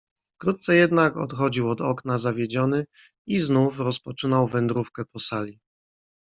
"Wkrótce jednak odchodził od okna zawiedziony i znów rozpoczynał wędrówkę po sali."